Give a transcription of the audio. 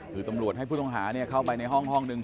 คือตำรวจให้ผู้ต้องหาเข้าไปในห้องนึง